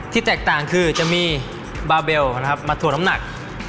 ที่แตกต่างคือจะมีบาร์เบลมาถวดพร้อมหนัก